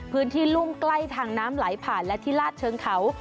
รุ่มใกล้ทางน้ำไหลผ่านและที่ลาดเชิงเขา